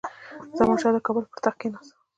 زمانشاه د کابل پر تخت کښېناست.